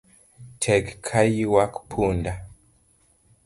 Tek ka ywak punda